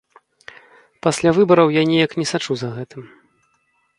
Пасля выбараў я неяк не сачу за гэтым.